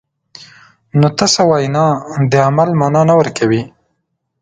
نو تشه وینا د عمل مانا نه ورکوي.